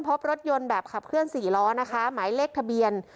พบรถยนต์แบบขับเคลื่อน๔ล้อนะคะหมายเลขทะเบียน